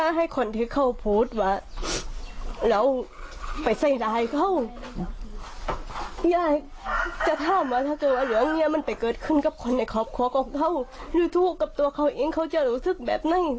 ในครอบครัวของเขาหรือทุกข์กับตัวเขาเองเขาจะรู้สึกแบบไหน